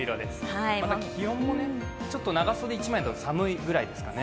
気温も、ちょっと長袖１枚だと寒いぐらいですかね。